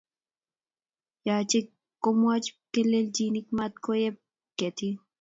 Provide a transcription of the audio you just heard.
Yache komwachi pikkelejin mat koyeb ketik